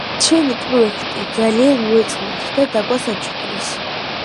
ჩვენი პროეკტი ძალიან მოეწონათ და დაგვასაჩუქრეს